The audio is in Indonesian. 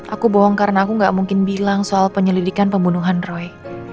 aku bohong karena aku gak mungkin bilang soal penyelidikan pembunuhan roy